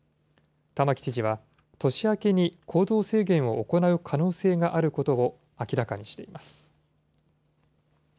玉城知事は、年明けに行動制限を行う可能性があることを明らかにしています。